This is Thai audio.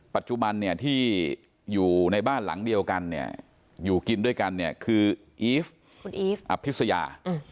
ปัจจุบันเนี่ยที่อยู่ในบ้านหลังเดียวกันเนี่ยอยู่กินด้วยกันเนี่ยคืออีฟคุณอีฟอภิษยา